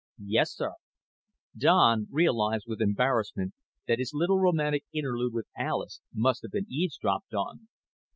"Yes, sir." Don realized with embarrassment that his little romantic interlude with Alis must have been eavesdropped on.